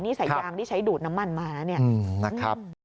นี่สายยางที่ใช้ดูดน้ำมันมา